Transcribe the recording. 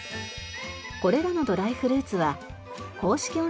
これらのドライフルーツは公式